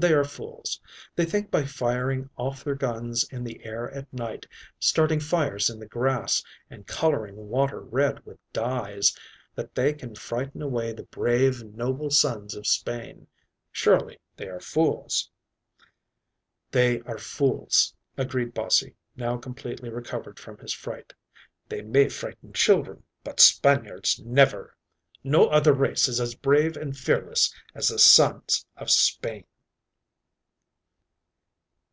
"They are fools. They think by firing off their guns in the air at night, starting fires in the grass, and coloring water red with dyes, that they can frighten away the brave, noble sons of Spain. Surely they are fools." "They are fools," agreed Bossie, now completely recovered from his fright. "They might frighten children, but Spaniards never. No other race is as brave and fearless as the sons of Spain."